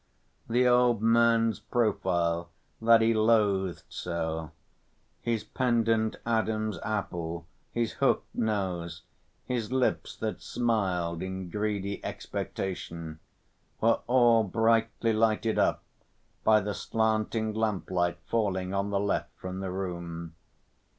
The old man's profile that he loathed so, his pendent Adam's apple, his hooked nose, his lips that smiled in greedy expectation, were all brightly lighted up by the slanting lamplight falling on the left from the room.